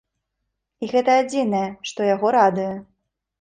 І гэта адзінае, што яго радуе.